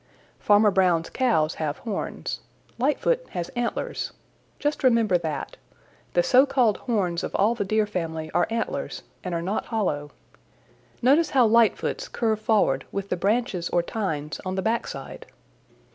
Farmer Brown's cows have horns. Lightfoot has antlers. Just remember that. The so called horns of all the Deer family are antlers and are not hollow. Notice how Lightfoot's curve forward with the branches or tines on the back side."